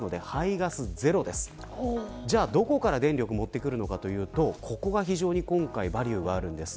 どこから電力を持ってくるかというとここが非常に今回バリューがあるんです。